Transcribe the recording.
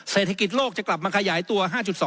เศรษฐกิจโลกจะกลับมาขยายตัว๕๒